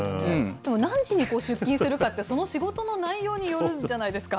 でも何時に出勤するかって、その仕事の内容によるんじゃないですか。